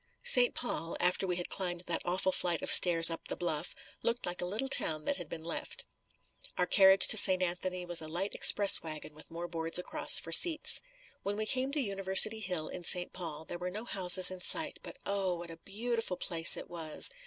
St. Paul, after we had climbed that awful flight of stairs up the bluff, looked like a little town that had been left. Our carriage to St. Anthony was a light express wagon with more boards across for seats. When we came to University Hill in St. Paul, there were no houses in sight, but oh! what a beautiful place it was!